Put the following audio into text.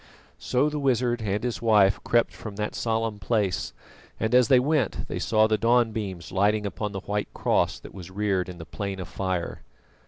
So the wizard and his wife crept from that solemn place, and as they went they saw the dawn beams lighting upon the white cross that was reared in the Plain of Fire.